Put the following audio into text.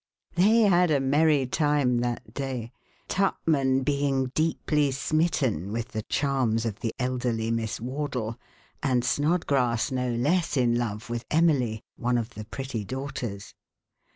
They had a merry time that day, Tupman being deeply smitten with the charms of the elderly Miss Wardle, and Snodgrass no less in love with Emily, one of the pretty daughters.